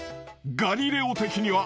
『ガリレオ』的には］